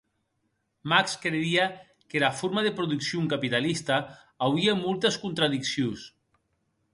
Marx credie qu'era forma de produccion capitalista auie moltes contradiccions.